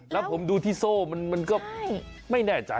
แล้วผมดูที่โซ่มันก็ไม่แน่ใจ